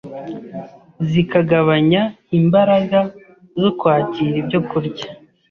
zikagabanya imbaraga zo kwakira ibyokurya —